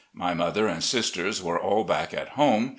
My mother and sisters were all back at home.